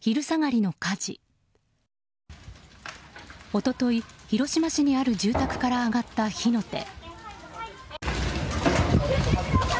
一昨日、広島市にある住宅から上がった火の手。